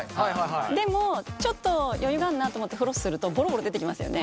でもちょっと余裕があるなと思ってフロスするとボロボロ出てきますよね？